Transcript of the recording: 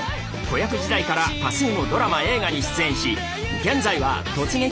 子役時代から多数のドラマ映画に出演し現在は「突撃！